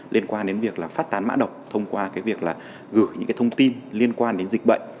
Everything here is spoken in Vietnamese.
liên quan đến việc phát tán mã đọc thông qua việc gửi những thông tin liên quan đến dịch bệnh